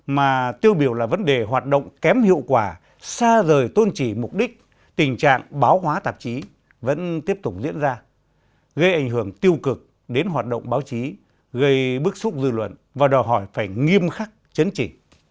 mà tiêu biểu là vấn đề hoạt động kém hiệu quả xa rời tôn trị mục đích tình trạng báo hóa tạp chí vẫn tiếp tục diễn ra gây ảnh hưởng tiêu cực đến hoạt động báo chí gây bức xúc dư luận và đòi hỏi phải nghiêm khắc chấn chỉ